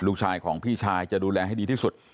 ลูกชายของพี่ชายจะดูแลให้ดีที่สุด